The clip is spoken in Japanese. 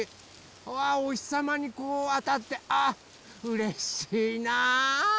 うわおひさまにこうあたってあうれしいな。